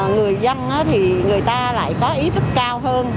người dân thì người ta lại có ý thức cao hơn